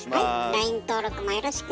ＬＩＮＥ登録もよろしくね。